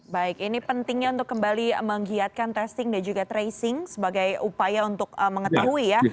baik ini pentingnya untuk kembali menggiatkan testing dan juga tracing sebagai upaya untuk mengetahui ya